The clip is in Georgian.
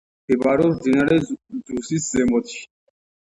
მდებარეობს მდინარე ძუსის ზემოთში.